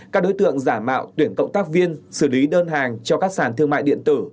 các đối tượng giả mạo tuyển cộng tác viên xử lý đơn hàng cho các sản thương mại điện tử